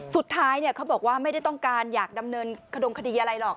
เขาบอกว่าไม่ได้ต้องการอยากดำเนินขดงคดีอะไรหรอก